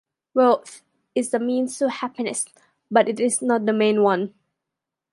Wealth is a means to happiness, but it is not the main one.